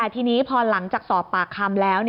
ทีนี้พอหลังจากสอบปากคำแล้ว